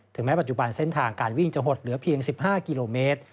แม้ปัจจุบันเส้นทางการวิ่งจะหดเหลือเพียง๑๕กิโลเมตร